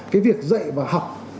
cái việc dạy và học